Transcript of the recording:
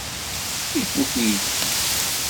Ifukk uyefki.